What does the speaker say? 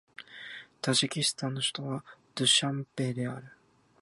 タジキスタンの首都はドゥシャンベである